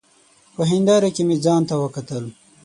په هېنداره کي مي ځانته وکتل !